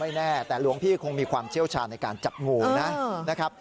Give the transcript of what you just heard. แน่แต่หลวงพี่คงมีความเชี่ยวชาญในการจับงูนะครับ